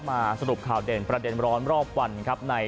สรุปข่าวเด่นประเด็นร้อนรอบวันครับ